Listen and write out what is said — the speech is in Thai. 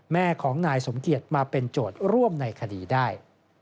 แม่ของนายสมเกียจมาเป็นโจทย์ร่วมในคดีได้